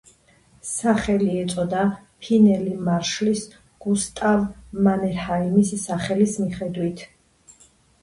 სახელი ეწოდა ფინელი მარშლის გუსტავ მანერჰაიმის სახელის მიხედვით.